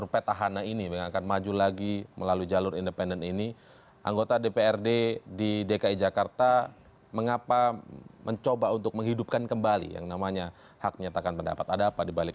katakanlah misalnya kemudian sampai inkra kemudian masih juga berpegang pada posisi